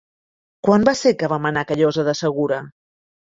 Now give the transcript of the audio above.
Quan va ser que vam anar a Callosa de Segura?